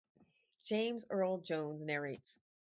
James Earl Jones narrates.